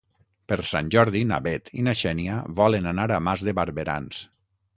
Per Sant Jordi na Bet i na Xènia volen anar a Mas de Barberans.